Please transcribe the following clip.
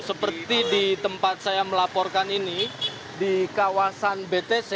seperti di tempat saya melaporkan ini di kawasan btc